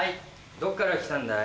どっから来たんだい？